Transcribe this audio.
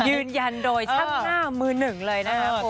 ยืนยันโดยช่างหน้ามือหนึ่งเลยนะครับ